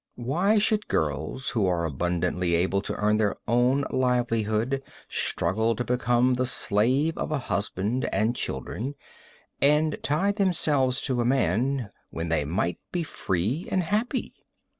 Why should girls who are abundantly able to earn their own livelihood struggle to become the slave of a husband and children, and tie themselves to a man when they might be free and happy?